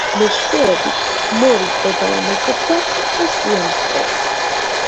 მის მეშვეობით მორიზო დაუმეგობრდა იმპრესიონისტებს.